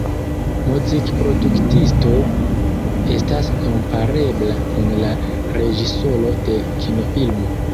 Muzikproduktisto estas komparebla kun la reĝisoro de kinofilmo.